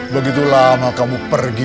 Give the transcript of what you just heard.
begitu lama kamu pergi